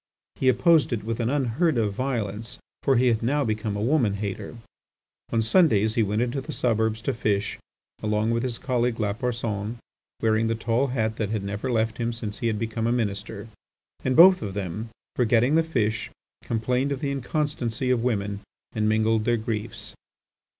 He opposed it with an unheard of violence, for he had now become a woman hater. On Sundays he went into the suburbs to fish along with his colleague Lapersonne, wearing the tall hat that never left him since he had become a Minister. And both of them, forgetting the fish, complained of the inconstancy of women and mingled their griefs.